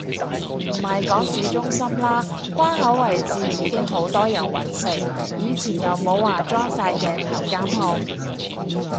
唔係講市中心啦，關口位置已經好多人搵食，以前又冇話裝晒鏡頭監控